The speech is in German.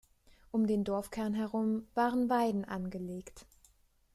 Um den Dorfkern herum waren Weiden angelegt.